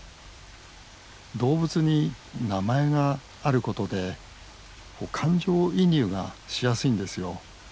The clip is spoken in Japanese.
動物に名前があることで感情移入がしやすいんですよ。